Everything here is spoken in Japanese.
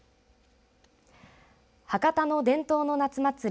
博多の伝統の夏祭り